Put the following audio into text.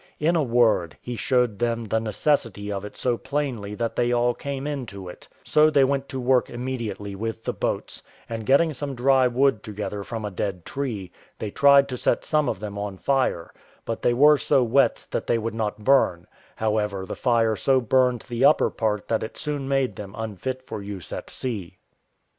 In a word, he showed them the necessity of it so plainly that they all came into it; so they went to work immediately with the boats, and getting some dry wood together from a dead tree, they tried to set some of them on fire, but they were so wet that they would not burn; however, the fire so burned the upper part that it soon made them unfit for use at sea.